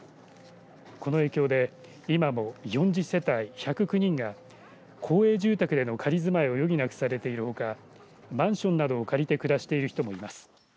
この影響で今も４０世帯１０９人が公営住宅での仮住まいを余儀なくされているほかマンションなどを借りて暮らしている人もいます。